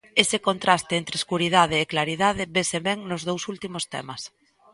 Ese contraste entre escuridade e claridade vese ben nos dous últimos temas.